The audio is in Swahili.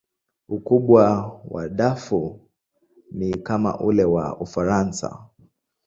Ukubwa wa Darfur ni kama ule wa Ufaransa.